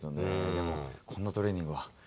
でも、こんなトレーニングはちょっと。